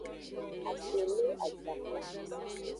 Ase le ajaka.